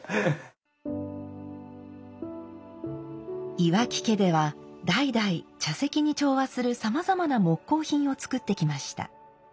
岩木家では代々茶席に調和するさまざまな木工品を作ってきました。